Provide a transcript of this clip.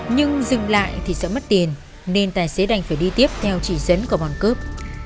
nhưng dừng lại thì sẽ mất tiền nên tài xế đành phải đi tiếp theo chỉ dẫn của bọn cướp